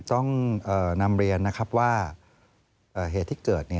ต้องนำเรียนว่าเหตุที่เกิด